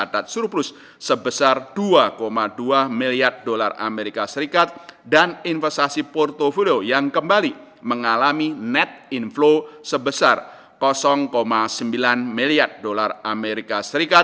padat surplus sebesar dua dua miliar dolar amerika serikat dan investasi portfo yang kembali mengalami net inflow sebesar sembilan miliar dolar as